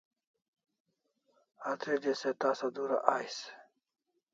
Atr'eli se tasa dura ais